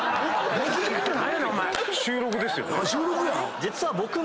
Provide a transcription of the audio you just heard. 実は僕も。